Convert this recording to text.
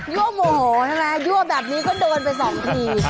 ั่วโมโหใช่ไหมยั่วแบบนี้ก็โดนไปสองที